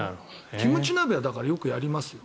キムチ鍋はだから、よくやりますよ。